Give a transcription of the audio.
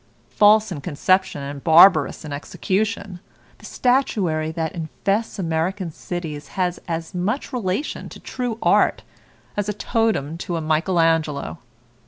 False in conception and barbarous in execution, the statuary that infests American cities has as much relation to true art, as a totem to a Michael Angelo.